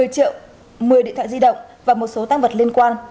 một mươi triệu một mươi điện thoại di động và một số tăng vật liên quan